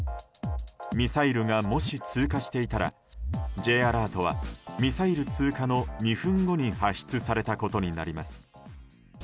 ミサイルが、もし通過していたらＪアラートはミサイル通過の２分後に発出されたことになります。